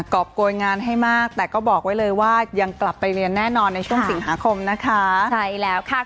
รอบโกยงานให้มากแต่ก็บอกไว้เลยว่ายังกลับไปเรียนแน่นอนในช่วงสิงหาคมนะคะใช่แล้วค่ะ